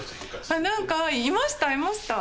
あなんかいましたいました。